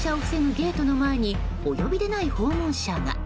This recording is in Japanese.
ゲートの前にお呼びでない訪問者が。